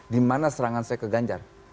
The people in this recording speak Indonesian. di mana serangan saya ke ganjar